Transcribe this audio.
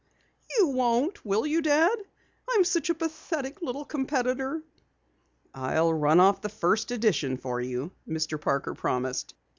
"You won't, will you, Dad? I'm such a pathetic little competitor." "I'll run off the first edition for you," Mr. Parker promised.